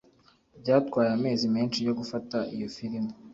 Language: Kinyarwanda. Byatwaye amezi menshi yo gufata iyo firime